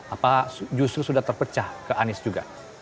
apa justru sudah terpecah ke anies juga